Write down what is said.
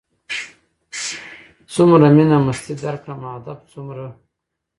څومره مينه مستي درکړم ادب څومره